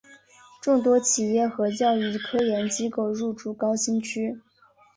众多企业和教育科研机构入驻高新区。